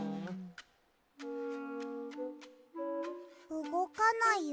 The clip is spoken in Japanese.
うごかないよ。